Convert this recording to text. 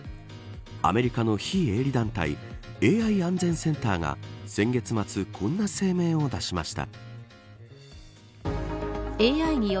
アメリカの非営利団体ＡＩ安全センターが先月末こんな声明を出しました。